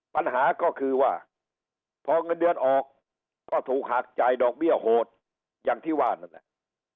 ปัญหาก็คือว่าพอเงินเดือนออกก็ถูกหักจ่ายดอกเบี้ยโหดอย่างที่ว่านั่นแหละ